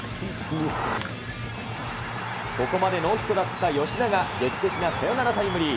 ここまでノーヒットだった吉田が、劇的なサヨナラタイムリー。